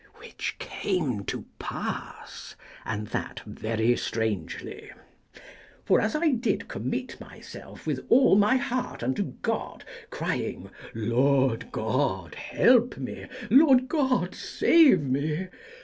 Which came to pass, and that very strangely. For as I did commit myself with all my heart unto God, crying, Lord God, help me! Lord God, save me!